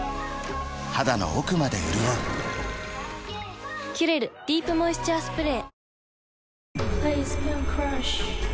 肌の奥まで潤う「キュレルディープモイスチャースプレー」